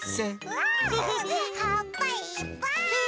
わはっぱいっぱい！ね！